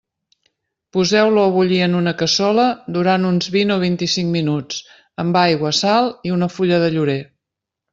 Poseu-lo a bullir en una cassola durant uns vint o vint-i-cinc minuts, amb aigua, sal i una fulla de llorer.